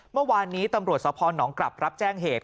เมื่อวานนี้ตำรวจสพนกลับรับแจ้งเหตุ